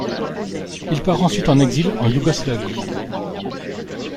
Il part ensuite en exil en Yougoslavie.